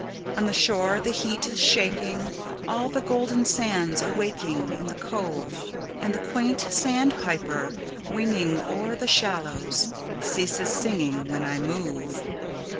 On the shore the heat is shaking All the golden sands awaking In the cove; And the quaint sand piper, winging O'er the shallows, ceases singing When I move.